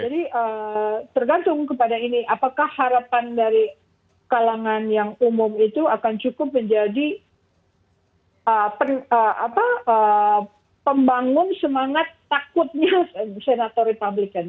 jadi tergantung kepada ini apakah harapan dari kalangan yang umum itu akan cukup menjadi pembangun semangat takutnya senator republikan